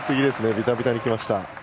ビタビタにきました。